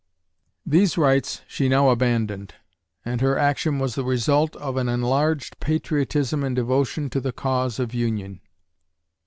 These rights she now abandoned; and her action was the result of an enlarged patriotism and devotion to the cause of union.